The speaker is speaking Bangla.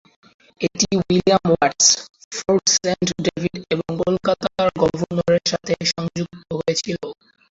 এটি William Watts, Fort Saint David এবং কলকাতার গভর্নরের সাথে সংযুক্ত হয়েছিল।